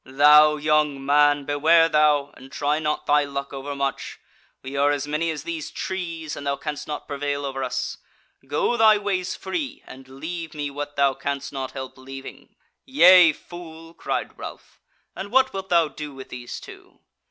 "Thou, young man, beware thou! and try not thy luck overmuch. We are as many as these trees, and thou canst not prevail over us. Go thy ways free, and leave me what thou canst not help leaving." "Yea, fool," cried Ralph, "and what wilt thou do with these two?"